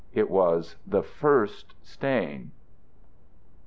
It was the first stain.